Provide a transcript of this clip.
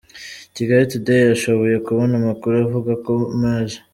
Kigali today yashoboye kubona amakuru avuga ko Maj.